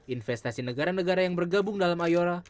investasi negara negara yang bergabung dalam ayora